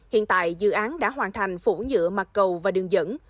hiện tại dự án đã hoàn thành phủ nhựa mặt cầu và đường dẫn